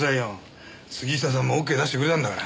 杉下さんもＯＫ出してくれたんだから。